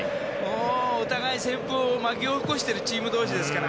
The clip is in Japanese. お互い、旋風を巻き起こしてるチーム同士ですから。